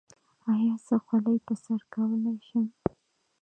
ایا زه خولۍ په سر کولی شم؟